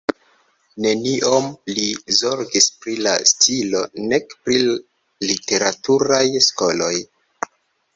Neniom li zorgis pri la stilo nek pri literaturaj skoloj.